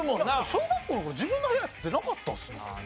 小学校の頃自分の部屋ってなかったっすね。